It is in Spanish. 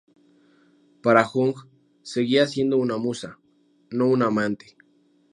Para Jung seguía siendo una musa, no una amante.